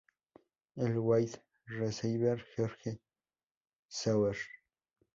El wide receiver George Sauer, Jr.